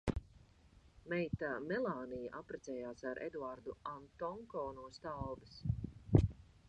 Meita Melānija apprecējās ar Eduardu Antonko no Stalbes.